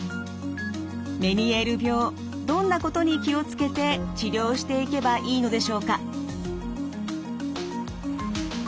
どんなことに気を付けて治療していけばいいのでしょうか。